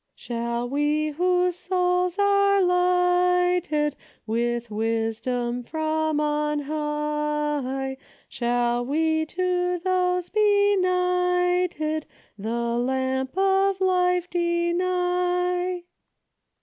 "Shall we whose souls are lighted With wisdom from on high, — Shall we to men benighted, The lamp of life deny ?